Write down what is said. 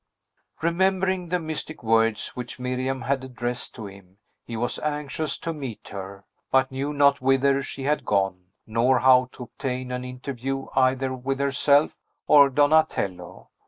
Remembering the mystic words which Miriam had addressed to him, he was anxious to meet her, but knew not whither she had gone, nor how to obtain an interview either with herself or Donatello.